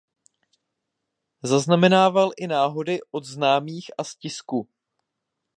Zaznamenával i náhody od známých a z tisku.